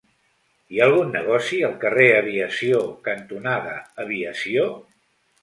Hi ha algun negoci al carrer Aviació cantonada Aviació?